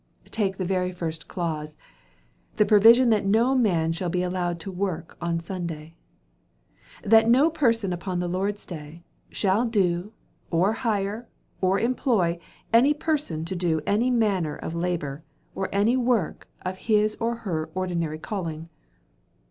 Take the very first clause, the provision that no man shall be allowed to work on Sunday—'That no person, upon the Lord's day, shall do, or hire, or employ any person to do any manner of labour, or any work of his or her ordinary calling.